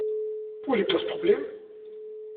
Wo liegt das Problem?